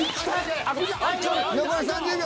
残り３０秒。